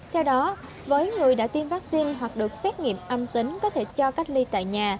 theo đó với người đã tiêm vaccine hoặc được xét nghiệm âm tính có thể cho cách ly tại nhà